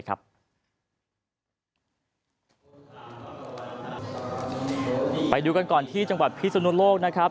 ไปดูกันก่อนที่จังหวัดพิศนุโลกนะครับ